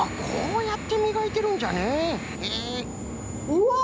うわ！